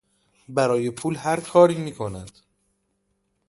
برای پول هر کاری میکند.